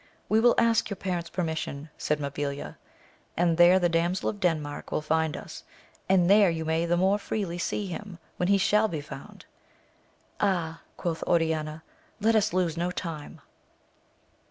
We will ask your parent's permission, said Mabilia, and there the Damsel of Denmark will find us, and there you may the more freely see him, when he shall be found. Ah, quoth Oriaia, let us lose no time.